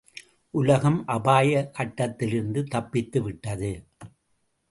உலகம் அபாய கட்டத்திலிருந்து தப்பித்துவிட்டது!